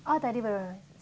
oh tadi berenang di situ